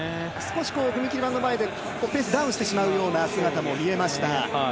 踏み切り板の前で少しダウンしてしまうような姿も見えました。